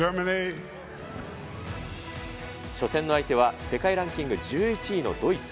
初戦の相手は、世界ランキング１１位のドイツ。